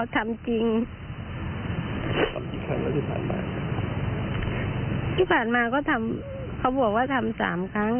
ที่ผ่านมาเขาบอกว่าทำ๓ครั้ง